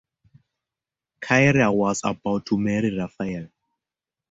Kyra was about to marry Rafael.